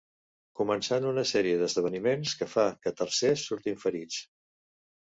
Començant una sèrie d'esdeveniments que fa que tercers surtin ferits.